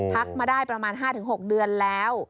พักมาได้ประมาณ๕๖เดือนแล้ว